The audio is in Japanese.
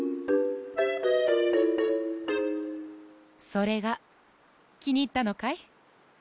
それがきにいったのかい？